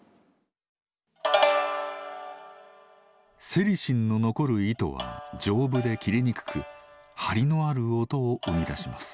セリシンの残る糸は丈夫で切れにくく張りのある音を生み出します。